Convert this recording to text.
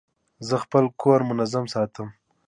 زه خپل کور منظم ساتم.